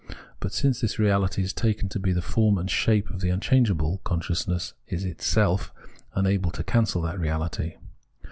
But since this reahty is taken to be the form and shape of the unchangeable, consciousness is unable of itself to cancel that reahty.